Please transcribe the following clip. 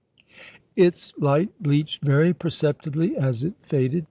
Its light bleached very perceptibly as it faded.